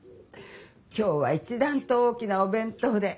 今日は一段と大きなお弁当で。